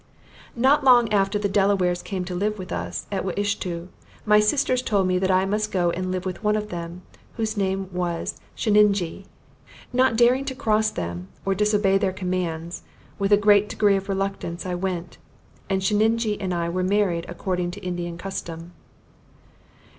Not long after the Delawares came to live with us, at Wiishto, my sisters told me that I must go and live with one of them, whose name was Sheninjee. Not daring to cross them, or disobey their commands, with a great degree of reluctance I went; and Sheninjee and I were married according to Indian custom.